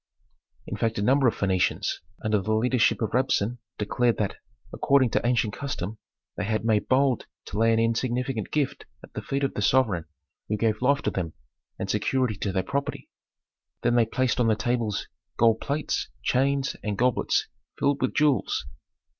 In fact a number of Phœnicians, under the leadership of Rabsun, declared that, according to ancient custom they had made bold to lay an insignificant gift at the feet of the sovereign who gave life to them and security to their property. Then they placed on the tables gold plates, chains, and goblets filled with jewels.